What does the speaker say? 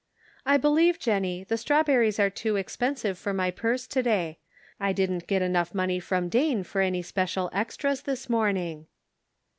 "I believe, Jennie, the strawberries are too expensive for my purse to day. I didn't get enough money from Dane for any special extras this morning."